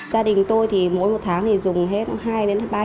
gia đình tôi thì mỗi một tháng thì dùng hết hai đến ba lần